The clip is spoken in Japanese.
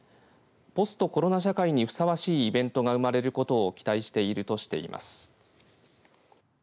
ポストコロナ社会にふさわしいイベントが生まれることを期待しているとしています。